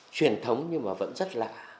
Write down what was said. truyền thống nhưng mà vẫn rất lạ